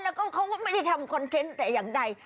แล้วก็เขาก็ไม่ได้ทำคอนเทนต์แต่อย่างใด